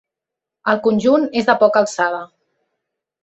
El conjunt és de poca alçada.